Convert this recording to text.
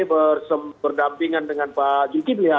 berdampingan dengan pak jilki